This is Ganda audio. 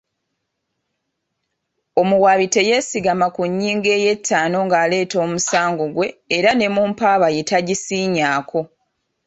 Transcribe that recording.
Omuwaabi teyeesigama ku nnyingo ey'ataano ng'aleeta omusango gwe era ne mu mpaaba ye tagisiinyaako.